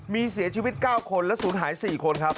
มีเสียชีวิต๙คนและศูนย์หาย๔คนครับ